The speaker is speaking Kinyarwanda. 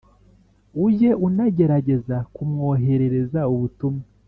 ujye unagerageza kumwoherereza ubutumwa